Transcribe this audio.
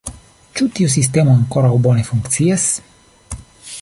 Ĉu tiu sistemo ankoraŭ bone funkcias?